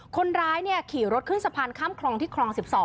คนร้ายขี่รถขึ้นสะพานข้ามคลองที่คลอง๑๒